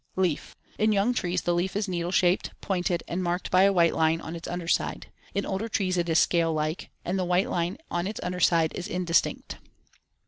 ] Leaf: In young trees the leaf is needle shaped, pointed, and marked by a white line on its under side, Fig. 12(a). In older trees it is scale like, Fig. 12(b), and the white line on its under side is indistinct.